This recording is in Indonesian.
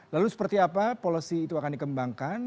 lalu seperti apa policy itu akan dikembangkan